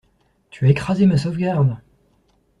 Tu as écrasé ma sauvegarde.